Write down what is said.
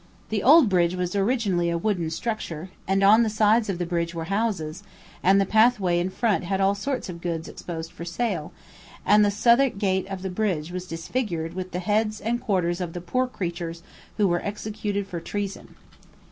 The old bridge was originally a wooden structure, and on the sides of the bridge were houses, and the pathway in front had all sorts of goods exposed for sale, and the Southwark gate of the bridge was disfigured with the heads and quarters of the poor creatures who were executed for treason.